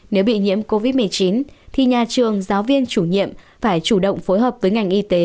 nếu bị nhiễm covid một mươi chín thì nhà trường giáo viên chủ nhiệm phải chủ động phối hợp với ngành y tế